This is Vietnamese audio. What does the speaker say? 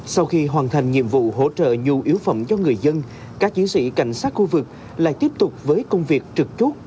sau khi hoàn thành nhiệm vụ hỗ trợ nhu yếu phẩm cho người dân các chiến sĩ cảnh sát khu vực lại tiếp tục với công việc trực chốt